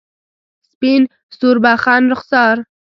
سپین سوربخن رخسار